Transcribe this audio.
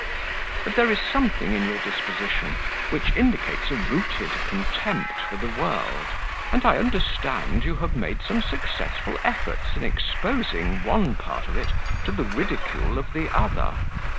But there is something in your disposition which indicates a rooted contempt for the world, and I understand you have made some successful efforts in exposing one part of it to the ridicule of the other.